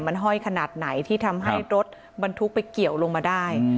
มันห้อยขนาดไหนที่ทำให้รถบรรทุกไปเกี่ยวลงมาได้